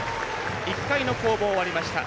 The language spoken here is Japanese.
１回の攻防、終わりました。